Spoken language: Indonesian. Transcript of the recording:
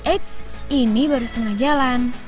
eits ini baru setengah jalan